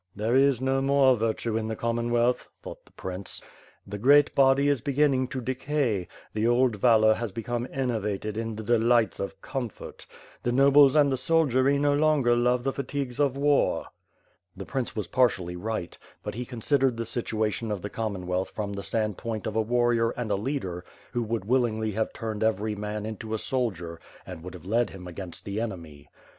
"There is no more virtue in the Commonwealth,'^ thought the prince, "the great body is beginning to decay, the old valor has be come enervated in the delights of comfort. The nobles and the soldiery no longer love the fatigues of war." The prince was partially right, but he considered the situation of the Commonwealth from the standpoint of a warrior and a leader who would willingly have turned every man into a soldier and would have led him against the enemy.